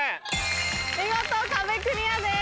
見事壁クリアです。